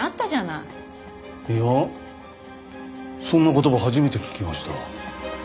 いやそんな言葉初めて聞きました。